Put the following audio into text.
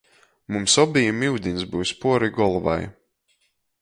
Mums obejim iudiņs byus puori golvai.